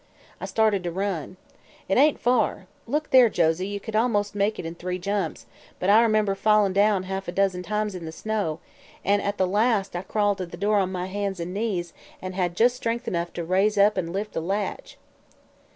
I started to run. It ain't far look there, Josie, ye could almost make it in three jumps but I remember fallin' down half a dozen times in the snow, an' at the last I crawled to the door on my hands an' knees an' had jus' strength enough to rise up an' lift the latch.